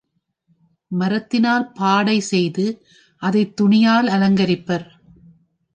மரத்தினால் பாடைசெய்து, அதைத் துணியால் அலங்கரிப்பர்.